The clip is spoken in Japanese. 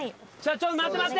ちょっと待って待って！